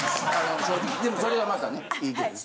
でもそれがまたね。